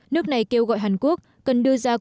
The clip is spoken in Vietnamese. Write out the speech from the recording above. nước này kêu gọi hàn quốc cần đưa ra quyết định